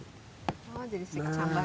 oh jadi seperti kecambah ini